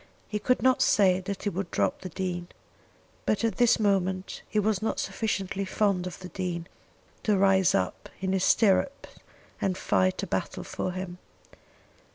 He could not say that he would drop the Dean; but at this moment he was not sufficiently fond of the Dean to rise up in his stirrups and fight a battle for him.